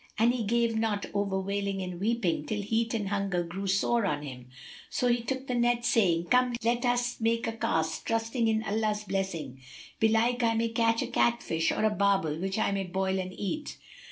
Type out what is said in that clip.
And he gave not over wailing and weeping, till heat and hunger grew sore on him: so he took the net, saying, "Come, let us make a cast, trusting in Allah's blessing; belike I may catch a cat fish or a barbel which I may boil and eat."